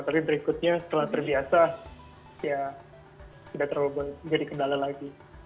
pertama tapi berikutnya setelah terbiasa ya tidak terlalu banyak jadi kendala lagi